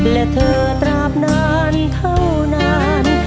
และเธอตราบนานเท่านาน